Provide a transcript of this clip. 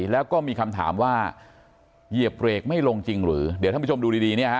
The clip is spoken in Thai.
แล้วก็มีคำถามว่าเหยียบเบรกไม่ลงจริงหรือเดี๋ยวท่านผู้ชมดูดีดีเนี่ยฮ